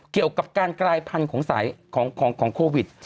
เกี่ยวกับการกลายพันธุ์ของสายของโควิด